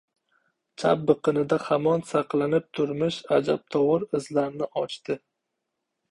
Chap biqinida hamon saqlanib turmish ajabtovur izlarni ochdi.